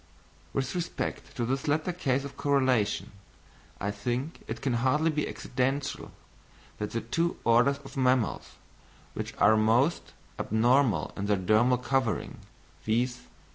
With respect to this latter case of correlation, I think it can hardly be accidental that the two orders of mammals which are most abnormal in their dermal covering, viz.